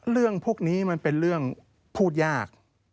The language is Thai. เรื่องพวกนี้มันเป็นเรื่องพูดยาก